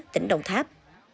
tỉnh đồng tháp